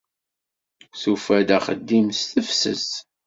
Tufa-d axeddim s tefses.